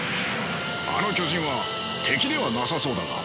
あの巨人は敵ではなさそうだが。